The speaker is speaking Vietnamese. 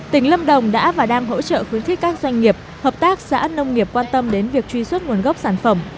tỉnh lâm đồng đã và đang hỗ trợ khuyến khích các doanh nghiệp hợp tác xã nông nghiệp quan tâm đến việc truy xuất nguồn gốc sản phẩm